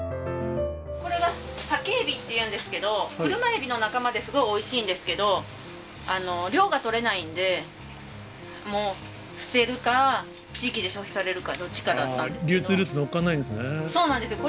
これがサケエビっていうんですけど、クルマエビの仲間ですごいおいしいんですけど、量が取れないんで、もう、捨てるか、地域で消費されるか、どっちかだったんですけど。